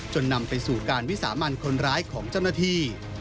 นำไปสู่การวิสามันคนร้ายของเจ้าหน้าที่